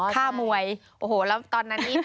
ค่ามวยโอ้โหแล้วตอนนั้นนี่